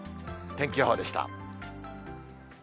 天気予報でした。